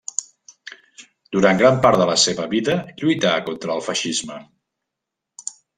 Durant gran part de la seva vida lluità contra el feixisme.